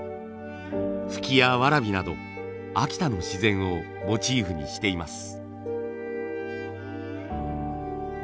ふきやわらびなど秋田の自然をモチーフにしています。